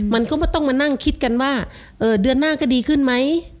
มันก็ต้องมานั่งคิดกันว่าเดือนหน้าก็ดีขึ้นไหม